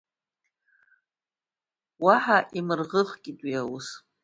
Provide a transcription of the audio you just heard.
Уаҳа имырӷыӷкит уи аус.